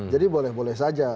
jadi boleh boleh saja